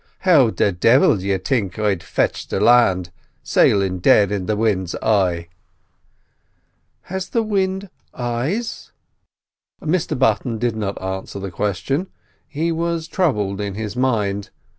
How the divil d'ye think I'd fetch the land sailin' dead in the wind's eye?" "Has the wind eyes?" Mr Button did not answer the question. He was troubled in his mind.